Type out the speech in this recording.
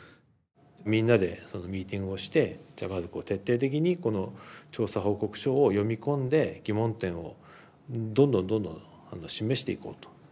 みんなでミーティングをしてじゃあまず徹底的にこの調査報告書を読み込んで疑問点をどんどんどんどん示していこうと。